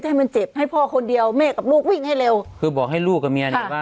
ให้มันเจ็บให้พ่อคนเดียวแม่กับลูกวิ่งให้เร็วคือบอกให้ลูกกับเมียเนี่ยว่า